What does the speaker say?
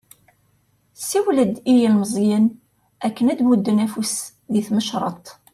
Siwlen-d i yilmeẓyen akken ad d-mudden afus di tmecreḍt.